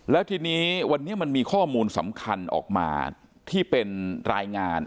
แล้วทีนี้วันนี้มันมีข้อมูลสำคัญออกมาที่เป็นรายงาน